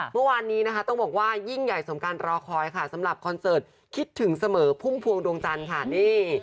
เมื่อวานนี้นะคะต้องบอกว่ายิ่งใหญ่สมการรอคอยค่ะสำหรับคอนเสิร์ตคิดถึงเสมอพุ่มพวงดวงจันทร์ค่ะนี่